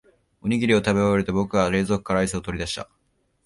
おにぎりを食べ終えると、僕は冷凍庫からアイスを取り出した。